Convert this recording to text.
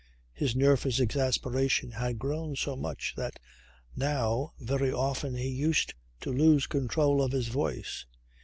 His nervous exasperation had grown so much that now very often he used to lose control of his voice.